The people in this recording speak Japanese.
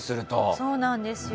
そうなんですよ。